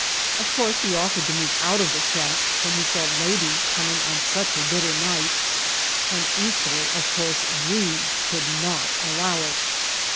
Of course he ofifered to move out of the shack when he saw "ladies" coming on such a bitter night, and equally of course we could not allow it.